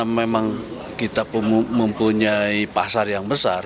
memang kita mempunyai pasar yang besar